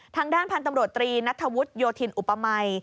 ทางด้านพันธุ์ตำรวจตรีนัทธวุฒิโยธินอุปมัย